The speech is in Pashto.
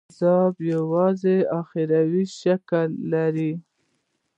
عذاب یوازي اُخروي شکل لري.